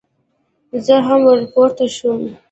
زه هم ور پورته شوم.